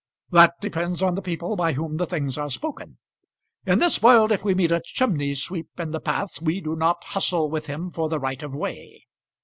"That depends on the people by whom the things are spoken. In this world, if we meet a chimney sweep in the path we do not hustle with him for the right of way.